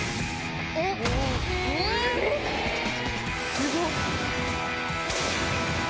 すごっ！